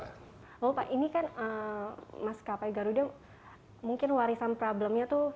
oh pak ini kan mas kapai garuda mungkin warisan problemnya tuh